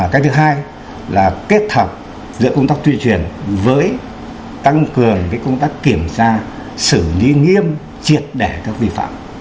cái thứ hai là kết hợp giữa công tác tuyên truyền với tăng cường công tác kiểm tra xử lý nghiêm triệt đẻ các vi phạm